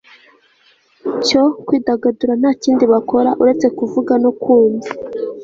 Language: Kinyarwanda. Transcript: cyo kwidagadura nta kindi bakora uretse kuvuga no kumva